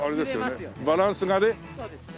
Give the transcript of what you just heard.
バランスがね。